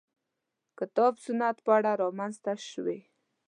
کتاب سنت په اړه رامنځته شوې.